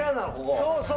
そうそう。